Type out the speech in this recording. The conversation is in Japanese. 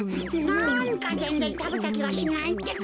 なんかぜんぜんたべたきがしないってか。